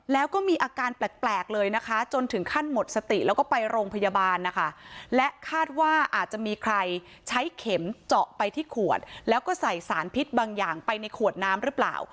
แล้วก็มีอาการแปลกเลยนะคะจนถึงขั้นหมดสติแล้วก็ไปโรงพยาบาลนะคะและคาดว่าอาจจะมีใครใช้เข็มเจาะไปที่ขวดแล้วก็ใส่สารพิษบางอย่างไปในขวดน้ำหรือเปล่า